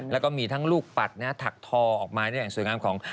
แล้วก็มีทั้งลูกปัดถักทอออกมาได้อย่างสวยงามของ